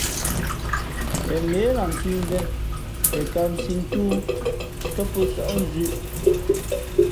Pen měh lah ntʉ̌mvēn, pen kāmsī ntóó tά pō nsάʼ nzʉ̄ʼ.